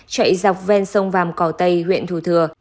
chạy dọc ven sông vàm cỏ tây huyện thủ thừa